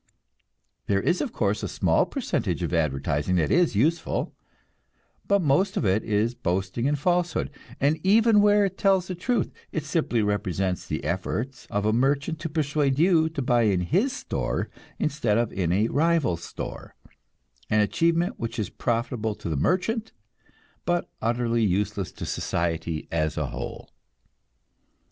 There is, of course, a small percentage of advertising that is useful, but most of it is boasting and falsehood, and even where it tells the truth it simply represents the effort of a merchant to persuade you to buy in his store instead of in a rival store an achievement which is profitable to the merchant, but utterly useless to society as a whole.